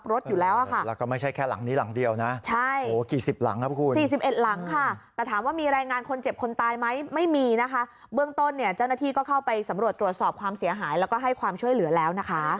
รวดตรวจสอบความเสียหายแล้วก็ให้ความช่วยเหลือแล้วนะคะ